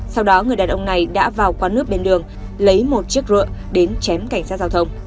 sau đó người đàn ông này đã vào quán nước bên đường lấy một chiếc rụa đến chém cảnh sát giao thông